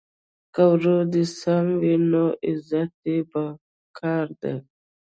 که ورور دي سم وي نو عزت یې په کار دی.